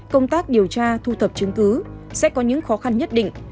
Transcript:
công tác điều tra thu thập chứng cứ sẽ có những khó khăn nhất định